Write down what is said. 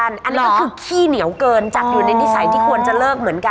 อันนี้ก็คือขี้เหนียวเกินจัดอยู่ในนิสัยที่ควรจะเลิกเหมือนกัน